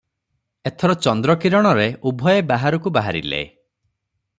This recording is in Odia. ଏଥର ଚନ୍ଦ୍ରକିରଣରେ ଉଭୟେ ବାହାରକୁ ବାହାରିଲେ ।